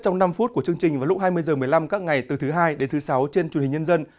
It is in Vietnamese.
trong năm phút của chương trình vào lúc hai mươi h một mươi năm các ngày từ thứ hai đến thứ sáu trên truyền hình nhân dân